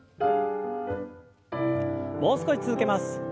もう少し続けます。